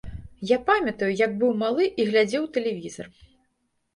Я памятаю, як быў малы і глядзеў тэлевізар.